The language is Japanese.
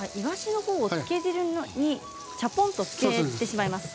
いわしのほうを漬け汁にちゃぽんとつけますね。